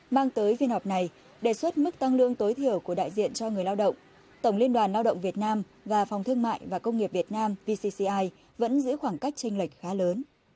mang tới phiên họp này đề xuất mức tăng lương tối thiểu của đại diện cho người lao động tổng liên đoàn lao động việt nam và phòng thương mại và công nghiệp việt nam vcci vẫn giữ khoảng cách tranh lệch khá lớn